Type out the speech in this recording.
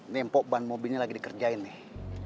nih mpok ban mobilnya lagi dikerjain nih